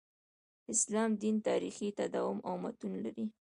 اسلام دین تاریخي تداوم او متون لري.